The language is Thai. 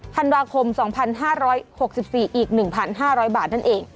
ธันวาคม๒๕๖๔อีก๑๕๐๐บาทนั่นเอง